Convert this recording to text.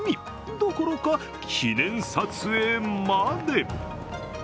どころか、記念撮影まで。